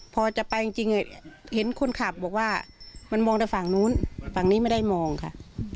พอจะไปจริงเห็นคนขับบอกว่ามันมองแต่ฝั่งนู้นฝั่งนี้ไม่ได้มองค่ะ